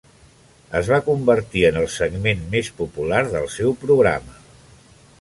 Es va convertir en el segment més popular del seu programa.